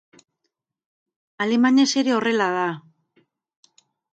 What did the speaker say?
Alemanez ere horrela da.